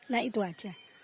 nah itu aja